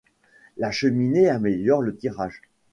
La cheminée améliore le tirage.